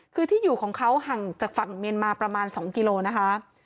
คือที่อยู่ของเขาห่างจากฝั่งเมียนมาประมาณ๒กิโลนะคะ